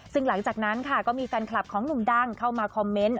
ซึ่งหลังจากนั้นค่ะก็มีแฟนคลับของหนุ่มดังเข้ามาคอมเมนต์